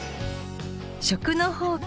［食の宝庫